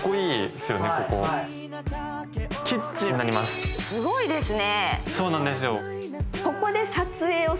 すごいですね。